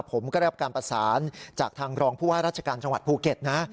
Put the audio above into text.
ผมก็ได้รับการประสานจากทางรองผู้ว่าราชการจังหวัดภูเก็ตนะ